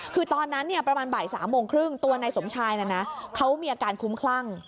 คือตอนนั้นประมาณบ่าย๓โมงครึ่งตัวนายสมชายเขามีอาการคุ้มคลั่ง